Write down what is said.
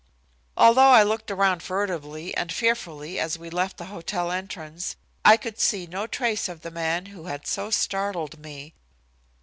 Although I looked around furtively and fearfully as we left the hotel entrance, I could see no trace of the man who had so startled me.